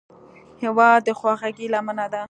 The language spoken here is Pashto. هېواد د خواخوږۍ لمنه ده.